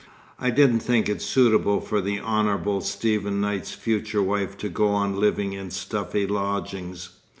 "I didn't think it suitable for the Honourable Stephen Knight's future wife to go on living in stuffy lodgings.